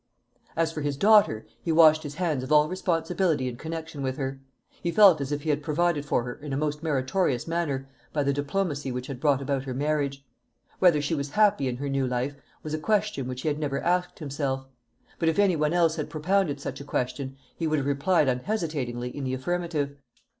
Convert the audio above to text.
As for his daughter, he washed his hands of all responsibility in connection with her. He felt as if he had provided for her in a most meritorious manner by the diplomacy which had brought about her marriage. Whether she was happy in her new life, was a question which he had never asked himself; but if any one else had propounded such a question, he would have replied unhesitatingly in the affirmative.